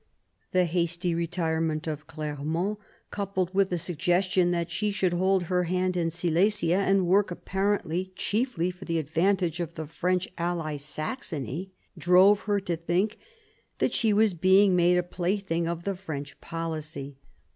The hasty retirement of Clermont, coupled with the suggestion that she should hold her hand in Silesia and work apparently chiefly for the advantage of the French ally Saxony, drove her to. think that she was being made a plaything of the French policy.